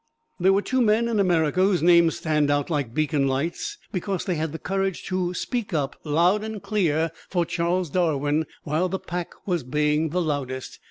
There were two men in America whose names stand out like beacon lights because they had the courage to speak up loud and clear for Charles Darwin while the pack was baying the loudest.